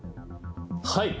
はい！